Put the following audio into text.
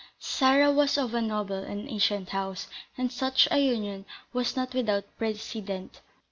Sarah was of a noble and ancient house, and such a union was not without precedent.